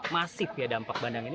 masif ya dampak bandang ini